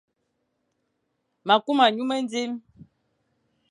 Ma a kuma nyu mendi,